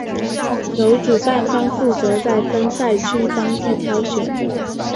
由主办方负责在分赛区当地挑选。